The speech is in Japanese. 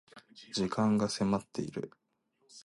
時間が迫っている